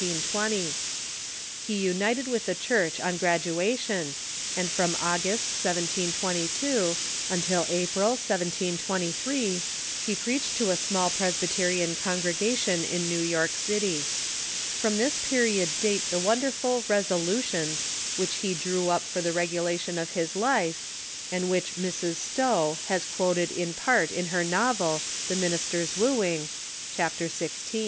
He united with the Church on gradua tion, and from August, 1722, until April, 1723, he preached to a small Presbyterian congregation in New York City. From this period date the wonderful "resolutions" which he drew up for the regulation of his life, and which Mrs. Stowe has quoted in part in her novel, " The Minister's Wooing " (ch. xvi.).